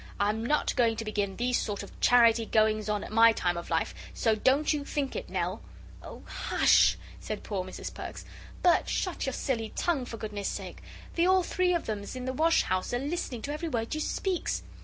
I'm not going to begin these sort of charity goings on at my time of life, so don't you think it, Nell." "Oh, hush!" said poor Mrs Perks; "Bert, shut your silly tongue, for goodness' sake. The all three of 'ems in the wash house a listening to every word you speaks."